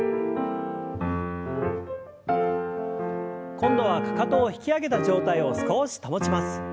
今度はかかとを引き上げた状態を少し保ちます。